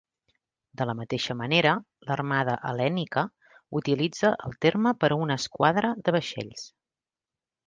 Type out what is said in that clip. De la mateixa manera, l'armada hel·lènica utilitza el terme per a una esquadra de vaixells.